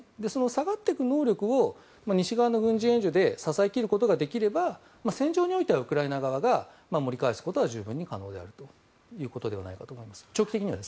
下がっていく能力を西側の軍事援助で支え切ることができれば戦場においてはウクライナ側が盛り返すことは十分に可能ではあると思います。